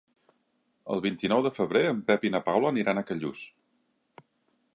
El vint-i-nou de febrer en Pep i na Paula aniran a Callús.